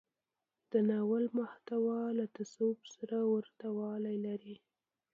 د ناول محتوا له تصوف سره ورته والی لري.